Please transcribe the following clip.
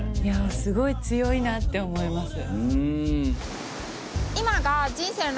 すごい強いなって思います。